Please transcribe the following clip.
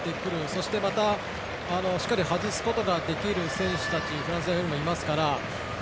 そしてまた、しっかり外すことができる選手たちがフランス代表にはいますから。